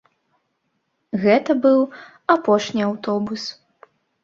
Гэта быў апошні аўтобус.